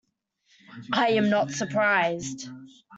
I am not surprised.